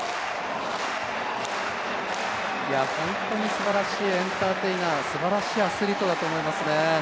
すばらしいエンターテイナー、すばらしいアスリートだと思いますね。